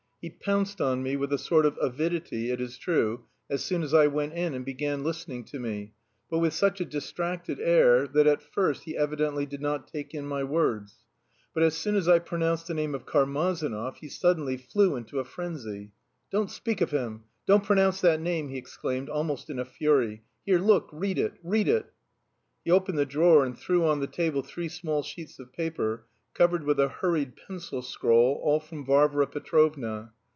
He pounced on me with a sort of avidity, it is true, as soon as I went in, and began listening to me, but with such a distracted air that at first he evidently did not take in my words. But as soon as I pronounced the name of Karmazinov he suddenly flew into a frenzy. "Don't speak of him! Don't pronounce that name!" he exclaimed, almost in a fury. "Here, look, read it! Read it!" He opened the drawer and threw on the table three small sheets of paper, covered with a hurried pencil scrawl, all from Varvara Petrovna.